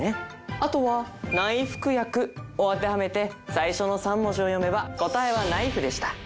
あとは「ないふくやく」を当てはめて最初の３文字を読めば答えはナイフでした